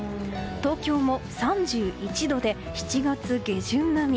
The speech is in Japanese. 東京も３１度で７月下旬並み。